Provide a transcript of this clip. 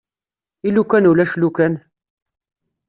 I lukan ulac lukan?